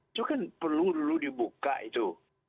itu kan perlu dulu dibuka itu